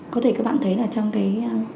có thể các bạn thấy là trong cái